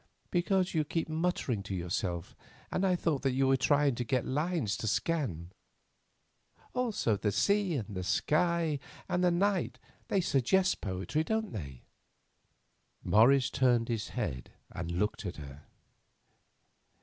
"Because you keep muttering to yourself, and I thought that you were trying to get the lines to scan. Also the sea, and the sky, and the night suggest poetry, don't they?" Morris turned his head and looked at her.